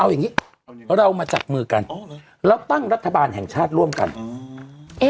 เอาอย่างงี้เรามาจับมือกันอ๋อแล้วตั้งรัฐบาลแห่งชาติร่วมกันอืม